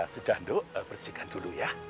sudah duk persihkan dulu ya